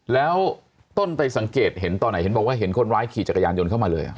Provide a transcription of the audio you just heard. แล้วต้นไปสังเกตเห็นตอนไหนเห็นบอกว่าเห็นคนร้ายขี่จักรยานยนต์เข้ามาเลย